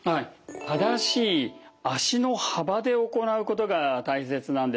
正しい足の幅で行うことが大切なんです。